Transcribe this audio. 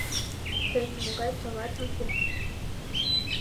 Тыйын нимогай прават уке!